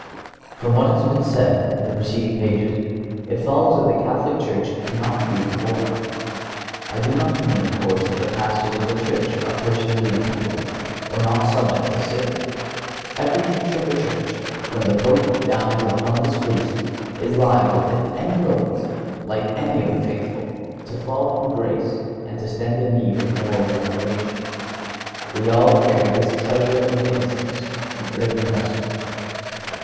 From what has been said in the preceding pages, it follows that the Catholic Church cannot be reformed. I do not mean, of course, that the Pastors of the Church are personally impeccable or not subject to sin. Every teacher in the Church, from the Pope down to the humblest Priest, is liable at any moment, like any of the faithful, to fall from grace and to stand in need of moral reformation. We all carry "this treasure (of innocence) in earthen vessels."